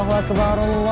kau akan diserang kami